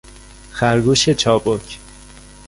خرگوش چابک